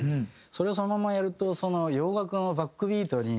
それをそのままやると洋楽のバックビートに。